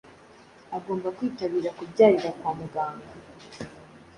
agomba kwitabira kubyarira kwa muganga